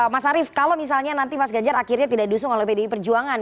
mas arief kalau misalnya nanti mas ganjar akhirnya tidak diusung oleh pdi perjuangan